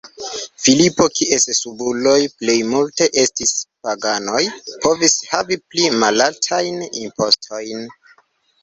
Filipo, kies subuloj plejmulte estis paganoj, povis havi pli malaltajn impostojn.